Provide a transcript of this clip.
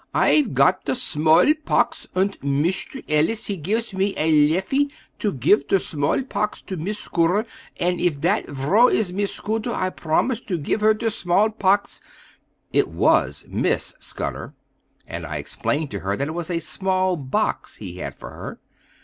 I'fe got der small pox! unt Mishter Ellis he gifs me a leffy to gif der small pox to Miss Scutter; unt if dat vrow is Miss Scutter, I bromised to gif her ter small pox." It was Miss Scudder, and I explained to her that it was a small box he had for her.